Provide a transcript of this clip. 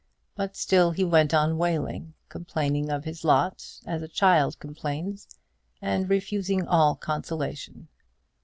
But still he went on wailing, complaining of his lot as a child complains, and refusing all consolation.